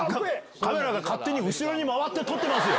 カメラが勝手に後ろに回って撮ってますよ。